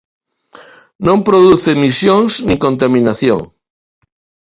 Non produce emisións nin contaminación.